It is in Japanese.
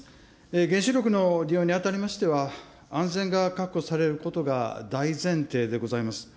原子力の利用にあたりましては、安全が確保されることが大前提でございます。